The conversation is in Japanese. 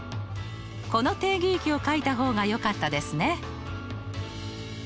この定義域をかいた方がよかったですね。